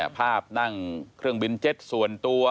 ภาพนั่งเครื่องบินเจ็ตส่วนตัว